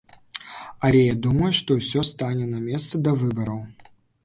Але я думаю, што ўсё стане на месца да выбараў.